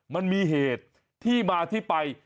มันมีเหตุที่มาที่ไป